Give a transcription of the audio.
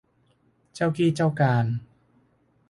เจ้ากี้เจ้าการ